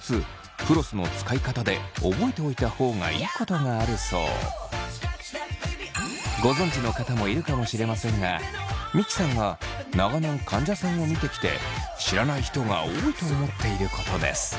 フロスの使い方でご存じの方もいるかもしれませんが三木さんが長年患者さんを見てきて知らない人が多いと思っていることです。